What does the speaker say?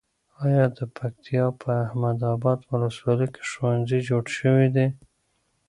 ایا د پکتیا په احمد اباد ولسوالۍ کې ښوونځي جوړ شوي دي؟